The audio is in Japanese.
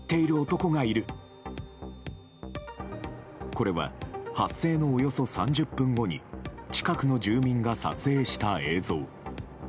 これは発生のおよそ３０分後に近くの住人が撮影した映像。